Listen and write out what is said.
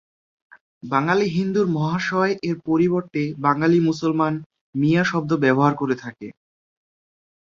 বাঙালি হিন্দুর ‘মহাশয়’ এর পরিবর্তে বাঙালি মুসলমান মিয়া শব্দ ব্যবহার করে থাকে।